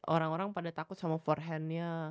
orang orang pada takut sama forehandnya